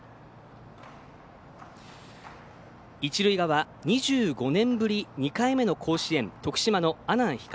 一塁側、２５年ぶり２回目の甲子園、徳島の阿南光。